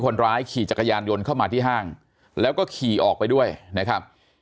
คนร้ายขี่จักรยานยนต์เข้ามาที่ห้างแล้วก็ขี่ออกไปด้วยนะครับ